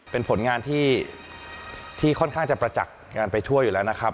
เป็นผลงานที่ค่อนข้างจะประจักษ์งานไปทั่วอยู่แล้วนะครับ